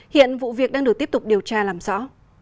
hiện vụ việc đang được tiếp tục điều tra làm rõ